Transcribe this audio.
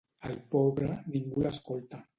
Al pobre, ningú l'escolta.